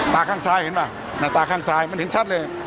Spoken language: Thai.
ตาข้างซ้ายเห็นป่ะหน้าตาข้างซ้ายมันเห็นชัดเลย